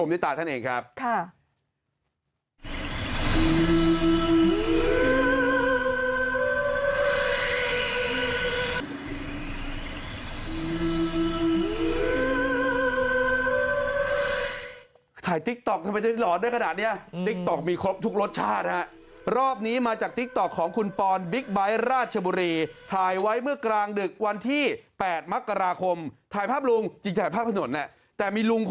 อืมชมด้วยตาท่านเองครับค่ะ